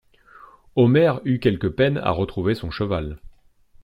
Omer eut quelque peine à retrouver son cheval.